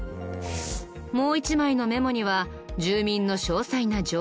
もう１枚のメモには住民の詳細な情報が。